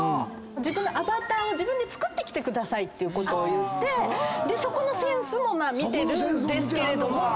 アバターを作ってきてくださいっていうことを言ってそこのセンスも見てるんですけれども。